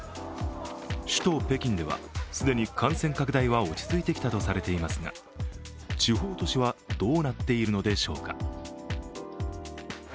首都北京では、既に感染拡大は落ち着いてきたとされていますが地方都市はどうなっているのでしょうか？